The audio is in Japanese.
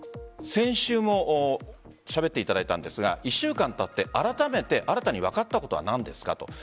先週もしゃべっていただいたんですが１週間たってあらためて新たに分かったことは何ですかと。